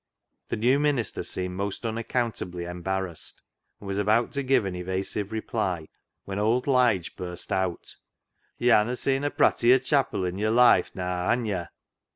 The new mim'ster seemed most unaccountably embarrassed, and was about to give an evasive reply when old Lige burst out " Yo 'hanna [have not] .seen a prattier chapil i' yo'r life, naa, han yo' ?